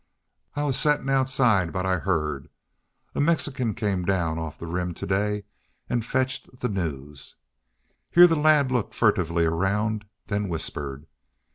I was settin' outside, but I heerd. A Mexican come down off the Rim ter day an' he fetched the news." Here the lad looked furtively around, then whispered.